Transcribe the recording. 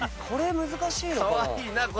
これ難しいな。